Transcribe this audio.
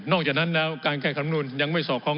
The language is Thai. นอกจากนั้นแล้วการแก้ธรรมนูญยังไม่สอบคล้อง